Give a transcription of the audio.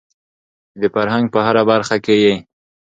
چې د فرهنګ په هره برخه کې يې